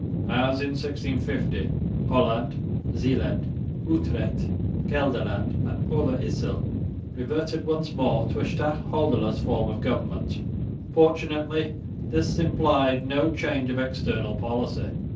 As in 1650, Holland, Zeeland, Utrecht, Gelderland and Overyssel reverted once more to a stadholderless form of government. Fortunately this implied no change of external policy.